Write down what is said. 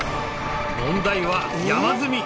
問題は山積み！